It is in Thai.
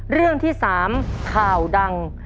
เรื่องที่๓ข่าวดัง